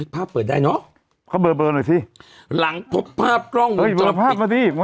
ภาพเปิดได้เนอะเขาเบอร์เบอร์หน่อยสิหลังพบภาพกล้องเอ้ยเบอร์ภาพมาดิ